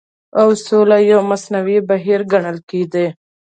او سوله يو مصنوعي بهير ګڼل کېدی